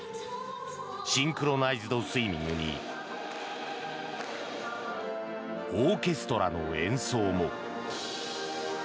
シンクロナイズド・スイミングにオーケストラの演奏も。